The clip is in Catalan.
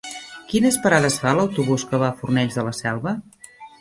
Quines parades fa l'autobús que va a Fornells de la Selva?